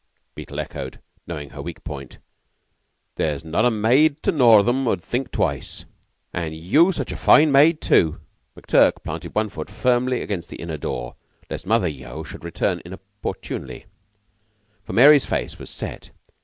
Beetle echoed, knowing her weak point. "There's not a maid to Northam 'ud think twice. An' yeou such a fine maid, tu!" McTurk planted one foot firmly against the inner door lest Mother Yeo should return inopportunely, for Mary's face was set.